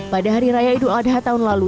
pada hari raya idul adha tahun lalu